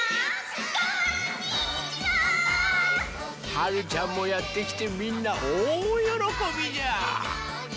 はるちゃんもやってきてみんなおおよろこびじゃ。